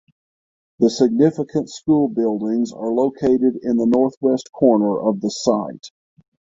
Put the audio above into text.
The significant school buildings are located in the northwest corner of the site.